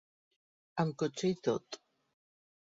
Amb cotxe i tot.